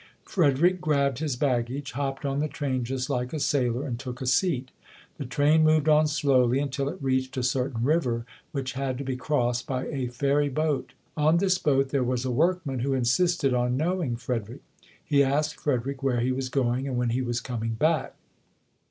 Frederick grabbed his baggage, hopped on the train just like a sailor and took a seat. The train moved on slowly until it reached a certain river which had to be crossed by a ferry boat. On this boat there was a workman who insisted on knowing Frederick. He asked Fred erick where he was going and when he was coming back.